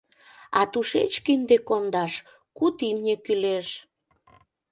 А тушеч кинде кондаш куд имне кӱлеш.